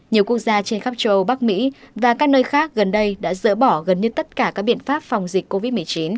nhiều quốc gia trên khắp châu bắc mỹ và các nơi khác gần đây đã dỡ bỏ gần như tất cả các biện pháp phòng dịch covid một mươi chín